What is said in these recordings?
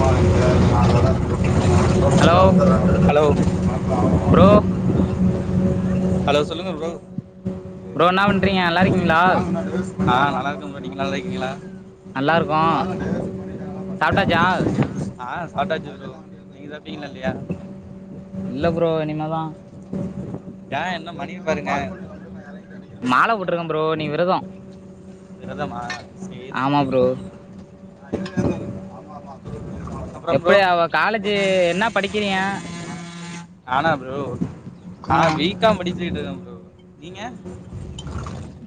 வாங்க hello hello bro hello சொல்லுங்க bro bro என்ன ஆ பண்றீங்க நல்லா இருக்கீங்களா நல்லா இருக்க ப்ரோ நீங்க நல்லா இருக்கீங்ளா நல்லாருக்கோ சாப்ட்டாச்சா அ சாப்ட்டாச்சு ப்ரோ நீங்க சாப்ட்டீங்ளா இல்லையா இல்ல ப்ரோ இனிமதா யா இன்னோ மணியப் பாருங்க மாலப் போட்ருக்க ப்ரோ இன்னைக்கி விரதோ விரதமா சரி ஆமா சரி ப்ரோ ஆமா மா எப்டி அவ காலேஜு என்னா படிக்கிறிங்க நானா ப்ரோ நா ஆ வீ காம் படிச்சிட்டுருக்க ப்ரோ நீங்க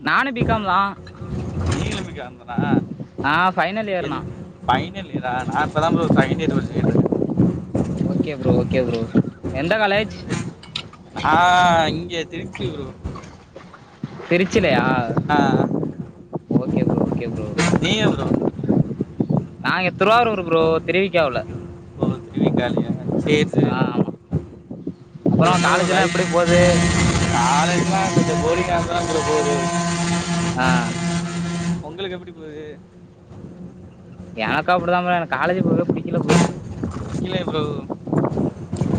நானு பீ காம் தா நீங்களு பீ காம் தானா ஆ ஃபைனல் இயர் எந் நா ஃபைனல் இயரா நா இப்ப தா ப்ரோ செகண்ட் இயர் படிச்சிட்டுருக்க ஓகே ப்ரோ ஓகே ப்ரோ எந்த காலேஜ் நா இங்க திருச்சி ப்ரோ திருச்சிலயா அ அ ஓகே ப்ரோ ஓகே ப்ரோ நீங்க ப்ரோ நா இங்க திருவாரூர் ப்ரோ திருவிக்காவுல ஓ திருவிக்காலயா சேரி சேரி ஆ ப்ரோ ஆமா அப்புறோ ப்ரோ காலேஜ் எல்லா லைட் எப்படி போது காலேஜ்லா [inaudible] அ உங்களுக்கு எப்டி போது எனக்கோ அப்டிதா ப்ரோ எனக்கு காலேஜு போவே புடிக்கல ப்ரோ இல்லயே புரோ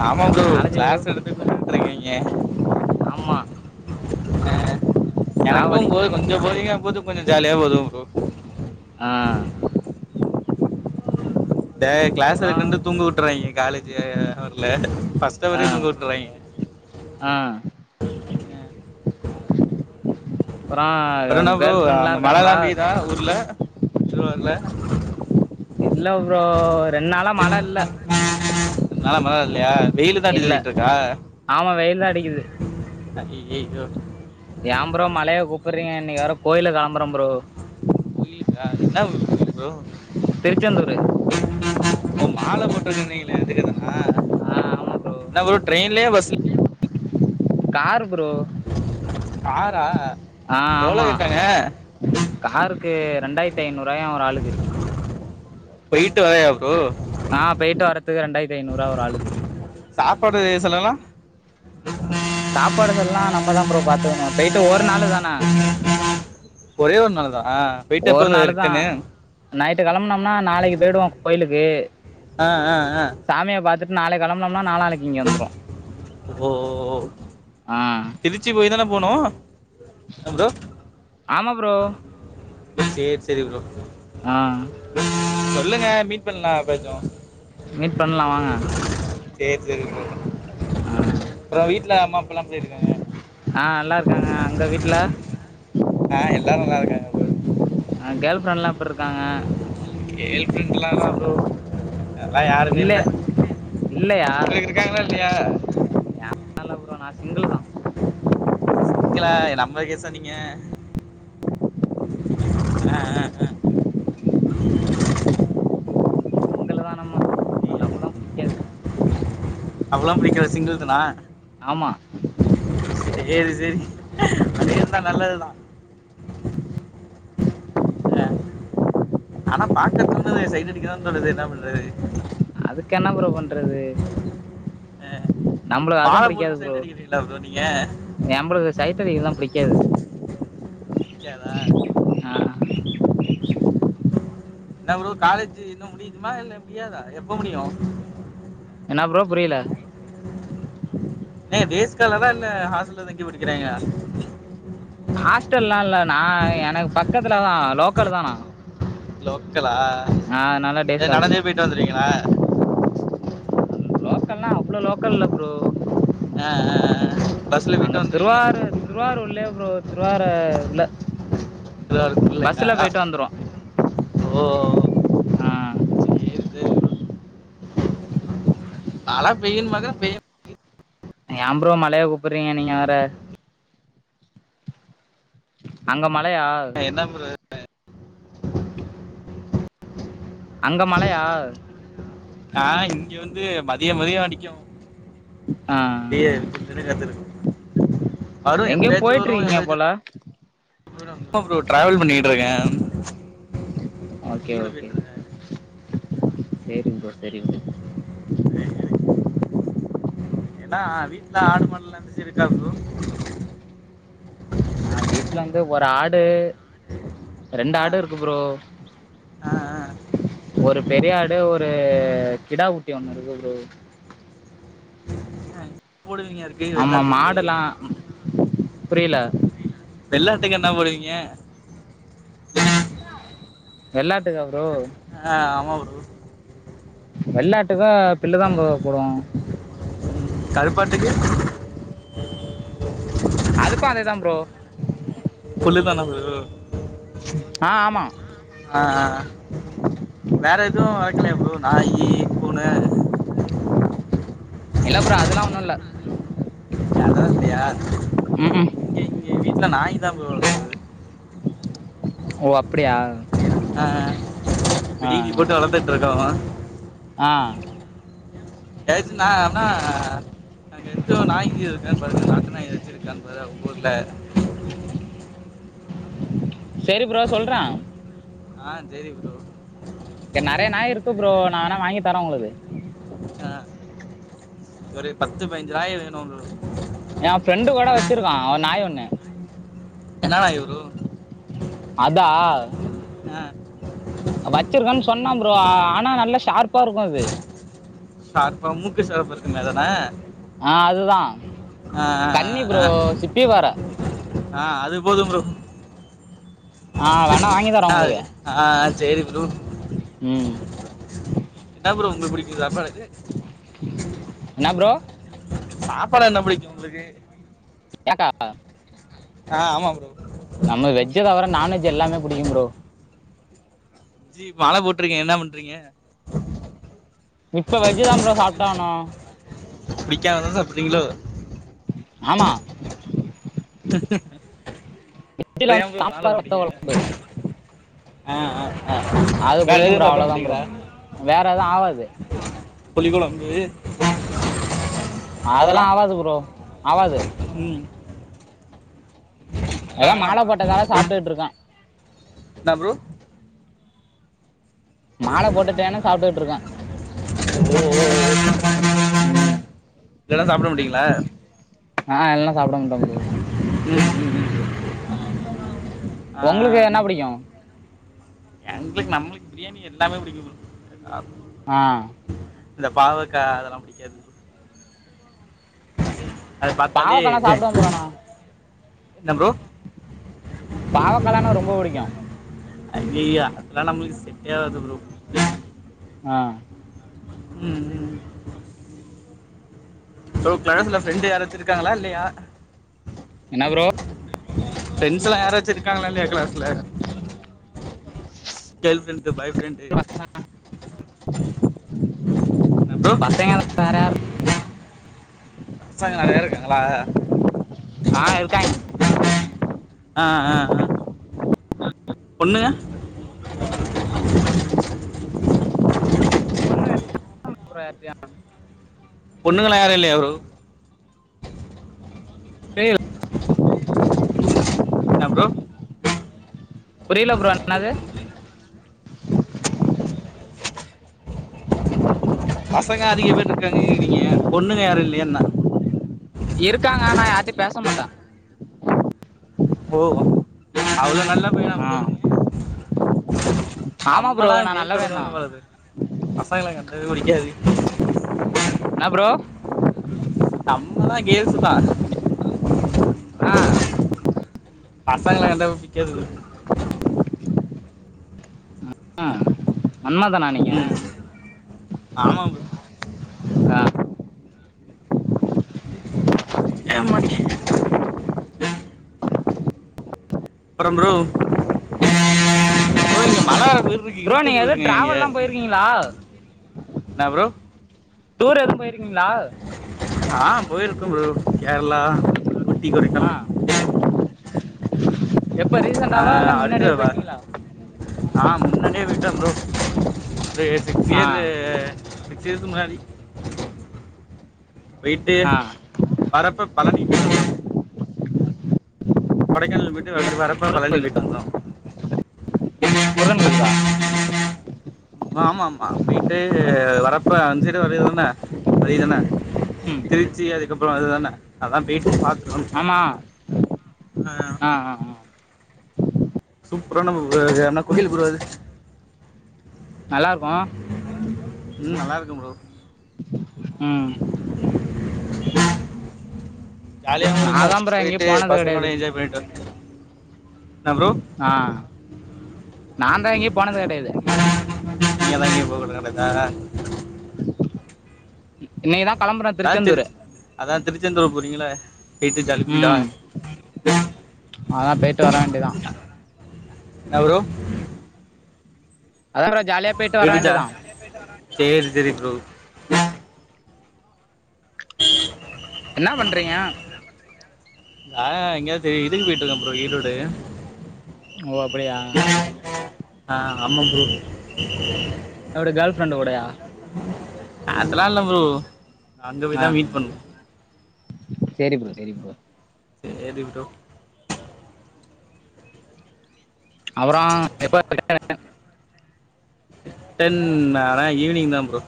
ஆமா புரோ காலேஜ் கிளாஸ் எடுத்து புடிக்கல கொண்டுட்டு இருக்காங்க ஆமா அ எனக்கு போது சாவடிக்கிறாங்க கொஞ்சம் போரிங்கா போது கொஞ்சம் ஜாலியா போவுது ப்ரோ ஆ ந்த கிளாஸ் அப்றோ எடுக்குறேன்ட்டு தூங்க உட்ராய்ங்க காலேஜ்ல அவர்ல ஃபஸ்ட் ஆ அவர்ரே தூங்க விட்டுறாங்க ஆ ஆ. அப்றஎனா ப்ரோ கேர்ள் ஃப்ரெண்ட்லா அங்க மழ இருக்காங்களா எல்லா பெயுதா ஊர்ல திருவாரூர்ல இல்ல ப்ரோ ரெண்டு நாளா மழ இல்ல நல்லா மழ இல்லையா வெயிலு தா இல்ல அடிச்சுதள்ளிட்டு இருக்கா ஆமா வெயில் தா அடிக்குது அய்யய்யோ ஏம் ப்ரோ மழைய கூப்புட்றீங்க இன்னக்கி வேற கோயிலுக் கெளம்புறே ப்ரோ கிளீனிக்கா என்ன ஊர் [unintelligible] புரோ திருச்செந்தூரு ஓ மால போட்டே சொன்னிங்களே அதுக்குதானா ஆ ஆமா என்ன ப்ரோ ட்ரெயின்லயா பஸ்ல கார் ப்ரோ காரா ஆ எவ்ளோ ஆமா கேட்டாங்க காருக்கு ரெண்டாயிர்த்தி ஐநூறாயா ஒரு ஆளுக்கு பொயிட்டு வரயா ப்ரோ ஆ போயிட்டு வர்றதுக்கு ரெண்டாயிர்த்தி ஐநூறுவா ஒரு ஆளுக்கு சாப்பாடு செலவுலா சாப்பாடு செலவ்லா நம்ப தா புரோ பாத்துக்கணு பொயிட்டு ஒரு நாளு தான ஒரே ஒரு நாள் தானா ஒரு நாளு தா நைட்டு கெளம்புனம்னா நாளக்கி போயிடுவோ கோயிலுக்கு அ அ அ சாமிய பாத்துட்டு நாளக்கி கெளம்புனம்னா நாலானக்கி இங்க வந்துருவோ ஓ ஆ திருச்சி போய் தானே போனு அ புரோ ஆமா ப்ரோ சேரி சேரி ப்ரோ ஆ சொல்லுங்க மீட் பண்லா எப்பயாச்சு மீட் பண்லா வாங்க சேர் சேரி ப்ரோ ஆ அப்பறொ வீட்ல அம்மா அப்பாலா எப்டி இருக்காங்க ஆ நல்லா இருக்காங்க அங்க வீட்ல ஆ எல்லாரு நல்லா இருக்காங்க ப்ரோ அ கேள் ஃப்ரெண்ட்லா எப்டி இருக்காங்க கேள் ஃப்ரெண்டுலா இலா ப்ரோ அதெல்லா யாருமே இல்ல இல்லயா உங்களுக்கு இருக்காங்களா இல்லையா அது இல்ல ப்ரோ நா சிங்குள் ப்ரோ சிங்குளா நம்ம கேசா நீங்க அ அ அ சிங்கிள் தா நம்ம லவ்லா புடிக்காது [unintelligible] சிங்கிள் தனா ஆமா சேரி சேரி அப்டே இருந்தா நல்லதுதா அ ஆனா பாக்க தோணுதே சைட்டு் அடிக்கதா தோணுது என்னா பண்றது அதுக்கு என்ன புரோ பண்றது அ நம்மளுக்கு மால போட்டுட் சைட் அடிக்கிறீங்களா ப்ரோ நீங்க ஏ ப்ரோ இந்த சைட் அடிக்கிறதுல புடிக்காது புடிக்காதா ஆ என்ன ப்ரோ காலேஜ் இன்னொ முடியுதுமா இல்ல முடியாதா எப்ப முடியு என்னா ப்ரோ புரியல அண்ணே டேஸ் கலரா இல்ல ஹாஸ்டல்ல தங்கி படிக்கிறேங்கெளா ஹாஸ்டல்லா இல்ல நா எனக்கு பக்கத்துல தா லோக்கல் தானா லோக்கலா நா அதுனால டேஸ் காலேஜு தா [unintelligible] வந்ருவீங்களா லோக்கல்னா அவ்ளோ லோக்கல் இல்ல ப்ரோ அ அ அ அங்க திருவாரூர் திருவாரூர்ல ப்ரோ திருவாரூர் இல்ல திருவாரூர் குள்ள [unintelligible] ஓ ஆ சேரி சேரி ப்ரோ மழை பெய்யும் பாக்குறேபெய் ஏ ப்ரோ மழைய கூப்ட்றிங்க நீங்க வேற அங்க மழயா என்ன ப்ரோ அங்க மழயா அ இங்க வந்து மதிய மதிய அடிக்கு ஆ [unintelligible] காத்துருக்கு வரு எங்கயோ எப்பயாச்சு போயிட்டு வரும் இருக்கீங்க எப்பயாச்சு போவு போல இப்ப ப்ரோ டிராவல் பண்ணிட்டு இருக்கே ஓகே ஓகே சரி்ங்க ப்ரோ சரிங்கப்ரோ சரி ஏன்னா வீட்ல ஆடு மாடுல்ல இருந்துச்சு இருக்கா ப்ரோ அ வீட்டுல வந்து ஒரு ஆடு ரெண்டு ஆ ஆடு இருக்கு ப்ரோ ஆ ஆ ஒரு பெரியாடு ஒரு கிடாகுட்டி ஒண்ணு இருக்கு ப்ரோ [unintelligible] ஆமா வெள்ளாட்டுக்கு மாடெல்லா புரியல வெள்ள ஆட்டுக்கு என்ன போடுவீங்க வெள்ளாட்டுக்கா ப்ரோ அ ஆமா ப்ரோ வெள்ளாட்டுக்கு பிள்ளுதா ப்ரோ போடுவோ கருப்பாட்டுக்கு அதுக்கு அதேதா ப்ரோ புல்லு தான ப்ரோ ஆ ஆமா அ அ வேற எது வளக்கலயா ப்ரோ நாயி பூன இல்ல ப்ரோ அதெல்லா ஒண்ணு இல்ல இ அதெல்லா இல்லயா ம் ம் இங்க இங்க வீட்ல நாய் தா ப்ரோ ஓ அப்டியா அ அ இப்ப தீனீ போட்டு வளத்து இருக்கோமா அ ஏதாச்சு நா ஆனா நாங்க [unintelligible] நாயி இருக்கான்னு பாரு நாட்டு நாய் வச்சிருக்கா பாரு உங்க ஊர்ல செரி ப்ரோ சொல்ற அ சரி ப்ரோ இங்க நெறைய நாய் இருக்கு ப்ரோ நா வேனா வாங்கி தாரே உங்களுக்கு அ ஒரு பத்து பதி்னைஞ்சு நாய் வேணு ப்ரோ எ ஃப்ரெண்டு கூட வச்சிருக்கா ஒரு நாய் ஒண்ணு என்ன நாய் ப்ரோ அதா வச்சிருக்கான்னு சொன்னா ப்ரோ ஆனா நல்லா ஷார்ப்பா இருக்கு அது ஷார்ப்பா மூக்கு ஷார்ப்பா இருக்குமே அதான ஆ அதுதா அ கன்னி அ ப்ரோ அ சிப்பி வேற அ அது போதும் புரோ ஆ வேணா வாங்கி தரே உங்களுக்கு அ அ சேரி ப்ரோ ம் ம் இதா ப்ரோ உங்களுக்கு பிடிக்குது அப்றோ எனக்கு என்ன ப்ரோ சாப்பாடு என்ன பிடிக்கு உங்களுக்கு ஏன்க்கா ஆ ஆமா ப்ரோ நம்ம வெஜ்ஜ தவிர நான்வெஜ் எல்லாமே புடிக்கு ப்ரோ ஜி மால போட்டுருக்க என்ன பண்றீங்க இப்ப வெஜ்தா ப்ரோ சாப்ட்டு ஆகணு பிடிக்காத தா சாப்ரிங்களோ ஆமா இப்ப ஏ வந்து ப்ரோ மால சாம்பார் வத்த போட்டீங்க குழம்பு ஆ ஆ ஆ அது வேற பிடிக்கும் எதுவுமே ப்ரோ சாப்ட அவ்வளோதான் ப்ரோ மாட்டிங்களா வேற எதும் ஆவாது புளி கொழம்பு அதெல்லா ஆவாது ப்ரோ ஆவாது ம் எதோ அதெல்லாம் மால வேணாமா போட்டதால சாப்ட்டுட்டு இருக்கோ என்ன ப்ரோ மால போட்டுட்டேன்னு சாப்பிட்டுட்டு இருக்கோ ம் இல்லனா சாப்ட மாட்டீங்களா ஆ இல்லனா சாப்பிட மாட்டே ப்ரோ [inaudible] ஒங்களுக்கு என்ன ஆ புடிக்கு எங்களுக்கு நம்மளுக்கு பிரியாணி எல்லாமே பிடிக்கு [unintelligible] ஆ இந்த பாவக்கா அதெல்லா பிடிக்காது ப்ரோ அத பாத்தாலே பாவக்காலாம் இது சாப்பிடுவேன் என்ன ப்ரோ பாவக்காலா எனக் ரொம்ப புடிக்கு அய்யய்யோ அதலா நம்ளுக்கு செட்டெ ஆகாது ப்ரோ ஆ ம் ம் சோ கிளாஸ்ல ஃப்ரெண்டு் யாராச்சி இருக்காங்களா இல்லயா என்ன ப்ரோ ஃப்ரண்ட்ஸ் எல்லா யாராச்சு இருக்காங்களா இல்லயா கிளாஸ்ல கேர்ள் ஃப்ரெண்டு் பாய் ஃப்ரெண்டு என்ன ப்ரோ பசங்க எல்லா வேறயாரு இல்ல பசங்க நறயா இருக்காங்கலா அ ஆ இருக்காங்கே ஆ ஆ ஆ பொண்ணு அப்றோ யார்ட்டயா பொண்ணுங்கலா யாரு இல்லயா ப்ரோ டே என்ன ப்ரோ புரில ப்ரோ என்னாது பசங்க அதிகம் பேர் இருக்காங்கறீங்க பொண்ணுங்க யாரும் இல்லையா என்ன இருக்காங்க ஆனா யார்கிட்டையும் அதிகம் பேச மாட்டாங்க ஓ அவ்ளோ நல்ல பையனா ஆ புரோ நீங்க ஆமா ப்ரோ நா நம்மெலாம் நல்லவன் தா கேர்ள்ஸ்யோடதாங்க பழகறது பசங்க எல்லாம் கண்டா புடிக்காது என்ன புரோ நம்மெலா கேர்ள்ஸ் தான் ஆ பசங்கள கண்டா புடிக்கவே புடிக்காது மன்மதனா நீ உம் ஆமா புரோ ஆ எம்மா டி அப்புறம் புரோ ஏ இங்க மழ வர மாதிரி இருக்கு புரோ இருட்டுது நீங்க எதும் போயிருங்க இங்கே டிராவெல்லாம் போயிருக்கீங்களா என்ன ப்ரோ டூர் எதும் போயிருக்கீங்களா ஆ போயிருக்கோம் புரோ கேரளா ஊட்டி ஆ கொடைக்கானல் எப்ப அ ரீசெண்டாவா இல்ல அடுத்த முன்னாடியே தடவ போயிட்டீங்களா ஆ முன்னாடியே விட்டோம் புரோ இப்ப எட்டு ஆ கேரு நிச்சியத்துக்கு முன்னாடி போயிட்டு ஆ வரப்ப பழனி போயிரு கொடைக்கானல் போயிட்டு வந்து வரப்ப பழனி கோயில் போயிட்டு வந்தோம் முருகன் கோயிலுக்கா ஆமாமா போயிட்டு வரப்ப அஞ்சர வழிதானே வழி தானே ம் திருச்சி அதுக்கப்புறம் அதுதானே அதான் போயிட்டு பாத்துட்டு வந்துட்டோம் மா ஆ ஆ ஆ ஆ சூப்பரா நம்ப ஆனா கோயில் புரோ அது நல்லாருக்கோம் ம் நல்லாருக்கோம் புரோ ம் ஜாலியா தான் நா தா இருக்கும் ப்ரோ எங்கேயு போயிட்டு போனது கெடையாது பசங்களோட என்ஜாய் பண்ணிட்டு வந்து என்ன புரோ ஆ நான் தான் எங்கேயும் போனது கெடையாது நீங்க எங்கயாச்சும் போக கடைக்கா [unintelligible] இன்னைக்கு தான் கெளம்புறோம் திருச்செந்தூரு அதான் திருச்செந்தூர் போறீங்கெல்ல போயிட்டு ஜாலி பண்ணிட்டு வாங்க அதான் போயிட்டு வர வேண்டியது தான் என்ன புரோ அதான் புரோ ஜாலியா போயிட்டு வர வேண்டியது தான் சரி போயிட்டு வர சேரி சேரி புரோ என்னா பண்றீங்க நான் எங்கயாச்சும் இதுக்கு போயிட்டு இருக்கோம் புரோ ஈரோடு ஓ அப்படியா ஆ ஆமா புரோ எப்படி கேர்ள் ஃப்ரண்ட் கூட யா அதலா இல்ல ப்ரோ அங்க போய் ஆ தா மீட் பண்ணு சேரி ப்ரோ சேரி ப்ரோ சேரி ப்ரோ அப்பறோ [unintelligible] டென் ஆனா ஈவ்னிங் தா ப்ரோ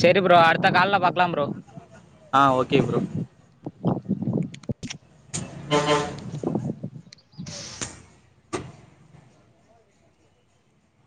செரி ப்ரோ அடுத்த கால்ல பாக்லா ப்ரோ ஆ ஓகே ப்ரோ